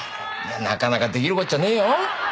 なかなか出来るこっちゃねえよ。